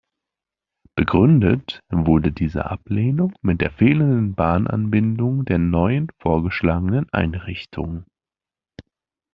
Begründet wurde diese Ablehnung mit der fehlenden Bahnanbindung der neuen vorgeschlagenen Einrichtung.